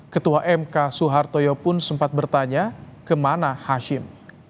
ketua mk soehartoyo pun sempat bertanya kemana hashim